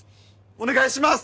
お願いします！